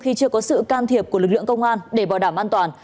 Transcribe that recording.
khi chưa có sự can thiệp của lực lượng công an để bảo đảm an toàn